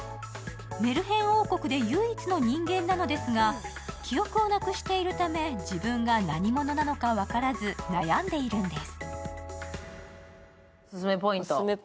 メルヘン王国で唯一の人間なのですが記憶をなくしているため、自分が何者なのか分からず悩んでいるんです。